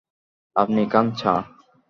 আপনি খান চা।